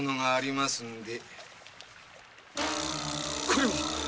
これは！？